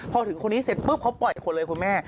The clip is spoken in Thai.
พอถึงคนนี้เสร็จปุ๊บเขาปล่อยคนเลยคุณแม่